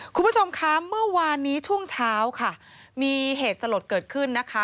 คุณผู้ชมคะเมื่อวานนี้ช่วงเช้าค่ะมีเหตุสลดเกิดขึ้นนะคะ